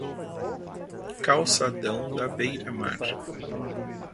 calçadão da beira mar